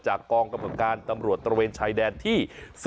กองกรรมการตำรวจตระเวนชายแดนที่๔